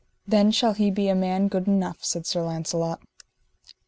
Then shall he be a man good enough, said Sir Launcelot.